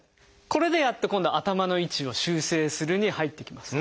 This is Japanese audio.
これでやっと今度「頭の位置を修正する」に入っていきます。